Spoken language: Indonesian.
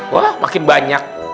wah makin banyak